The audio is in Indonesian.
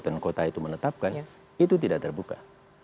dan kota itu menetapkan itu tidak terbuka